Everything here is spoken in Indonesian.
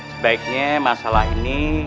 sebaiknya masalah ini